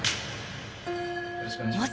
よろしくお願いします。